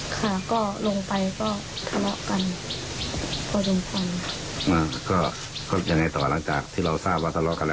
ค่ะก็ลงไปก็ตลอกกันก็ลงไปอ่าก็ยังไงต่อหลังจากที่เราทราบว่าตลอกกันแล้ว